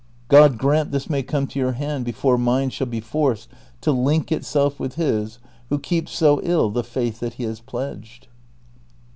God grant tliis may come to your hand before mine shall be forced to Hnk itself with liis who keeps so ill the faith that he has pledged."